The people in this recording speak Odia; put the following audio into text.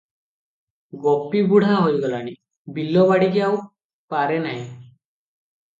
ଗୋପୀ ବୁଢ଼ା ହୋଇଗଲାଣି, ବିଲବାଡ଼ିକି ଆଉ ପାରେ ନାହିଁ ।